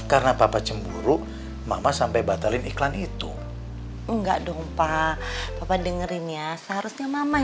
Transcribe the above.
karena papa cemburu emak emak sampai batalin iklan itu enggak dong pak papa dengerin ya seharusnya mama